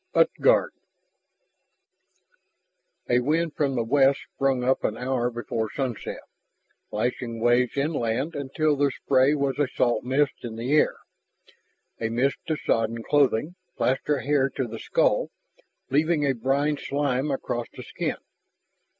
8. UTGARD A wind from the west sprang up an hour before sunset, lashing waves inland until their spray was a salt mist in the air, a mist to sodden clothing, plaster hair to the skull, leaving a brine slime across the skin.